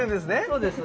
そうです。